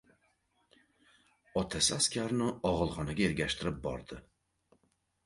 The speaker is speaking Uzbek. Otasi askarni og‘ilxonaga ergashtirib bordi.